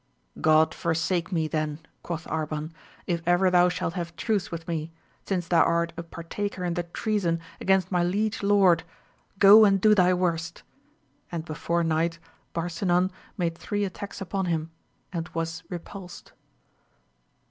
God forsake me then, quoth Arban, if ever thou shalt have truce with me, since thou art a par taker in the treason against my liege lord ! go and do thy worst ! And before night Barsinan made three attacks upon him, and was repulsed.